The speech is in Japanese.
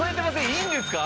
いいんですか？